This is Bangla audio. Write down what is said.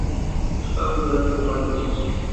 আমি বাড়ি থেকে পালিয়ে এসেছি।